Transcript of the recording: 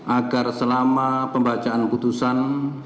agar selama pembacaan putusan